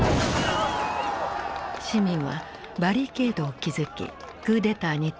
市民はバリケードを築きクーデターに抵抗しようとした。